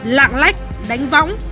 lạng lách đánh võng